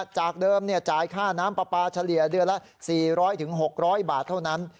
จากเดิมจ่ายค่าน้ำปลาปลาเฉลี่ยเดือนละ๔๐๐๖๐๐บาทเท่านั้น